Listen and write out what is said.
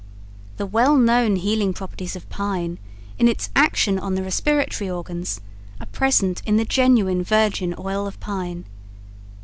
The well known healing properties of pine, in its action on the respiratory organs, are present in the genuine virgin oil of pine.